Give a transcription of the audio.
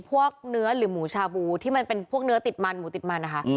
พวกเนื้อหรือหมูชาบูที่มันเป็นพวกเนื้อติดมันหมูติดมันนะคะ